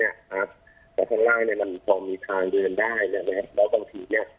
และข้างล่างนั้นมีทางเดินได้นะครับแล้วก็บางที